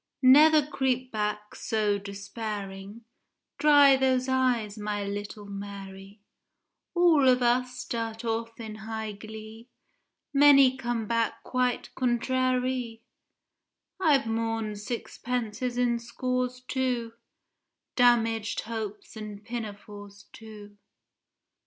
Never creep back so despairing, Dry those eyes, my little Mary, All of us start off in high glee, Many come back quite "contrairy"— I've mourn'd sixpences in scores too, Damag'd hopes and pinafores too.